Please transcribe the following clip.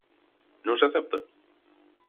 ¿Non se acepta?